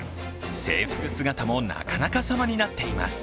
制服姿もなかなか様になっています。